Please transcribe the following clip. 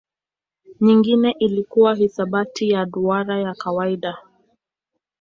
Nyingine ilikuwa hisabati ya duara ya kawaida.